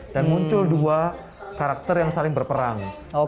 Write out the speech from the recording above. dan muncul dua karakter yang saling berperang